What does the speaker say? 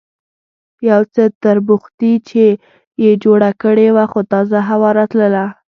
یو څه تربوختي یې جوړه کړې وه، خو تازه هوا راتلله.